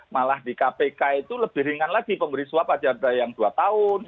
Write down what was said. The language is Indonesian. malah di kpk itu lebih ringan lagi pemberi suap ada yang dua tahun